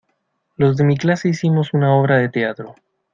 los de mi clase hicimos una obra de teatro.